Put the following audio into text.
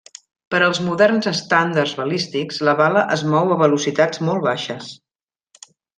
Per als moderns estàndards balístics, la bala es mou a velocitats molt baixes.